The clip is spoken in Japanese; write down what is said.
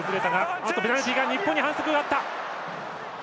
あっと、ペナルティが日本に反則があった。